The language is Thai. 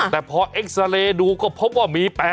แต่พอเอ็กซาเรย์ดูก็พบว่ามี๘